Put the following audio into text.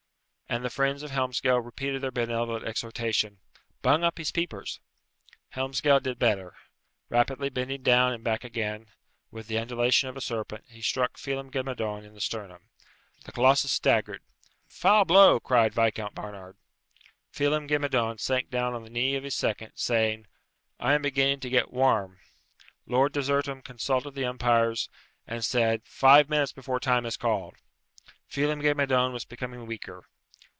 And the friends of Helmsgail repeated their benevolent exhortation, "Bung up his peepers!" Helmsgail did better. Rapidly bending down and back again, with the undulation of a serpent, he struck Phelem ghe Madone in the sternum. The Colossus staggered. "Foul blow!" cried Viscount Barnard. Phelem ghe Madone sank down on the knee of his second, saying, "I am beginning to get warm." Lord Desertum consulted the umpires, and said, "Five minutes before time is called." Phelem ghe Madone was becoming weaker.